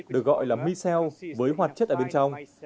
được gọi là micel với hoạt chất ở bên trong